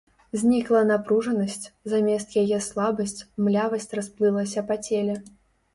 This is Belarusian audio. Знікла напружанасць, замест яе слабасць, млявасць расплылася па целе.